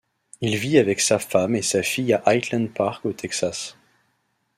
Il vit avec sa femme et sa fille à Highland Park au Texas.